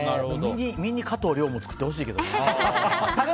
ミニ加藤諒も作ってほしいけど。